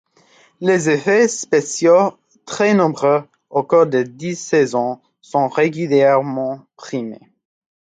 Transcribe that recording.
Les effets spéciaux, très nombreux au cours des dix saisons, sont régulièrement primés.